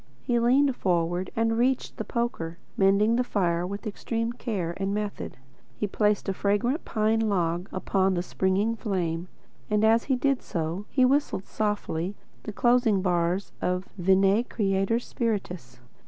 He leaned forward and reached the poker, mending the fire with extreme care and method. He placed a fragrant pine log upon the springing flame, and as he did so he whistled softly the closing bars of Veni, Creator Spiritus.